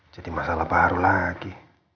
jadi masalah baru lagi